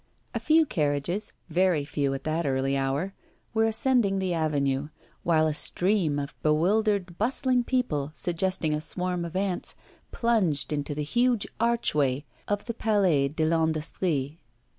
A few carriages, very few at that early hour, were ascending the avenue, while a stream of bewildered, bustling people, suggesting a swarm of ants, plunged into the huge archway of the Palais de l'Industrie.